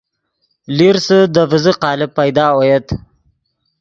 لیرسے دے ڤیزے قالب پیدا اویت